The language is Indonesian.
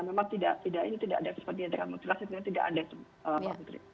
memang tidak ini tidak ada kesempatan yang terhadap mutilasi tidak ada itu mbak putri